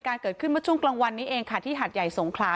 เกิดขึ้นเมื่อช่วงกลางวันนี้เองค่ะที่หาดใหญ่สงขลา